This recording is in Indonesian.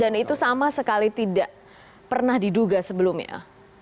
dan itu sama sekali tidak pernah diduga sebelumnya